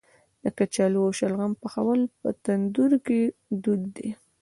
د کچالو او شلغم پخول په تندور کې دود دی.